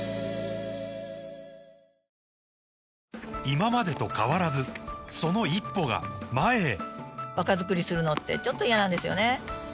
今までと変わらずその一歩が前へ若づくりするのってちょっと嫌なんですよね